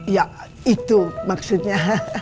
ya itu maksudnya